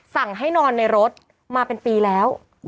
สั่งให้นอนในรถมาเป็นปีแล้ว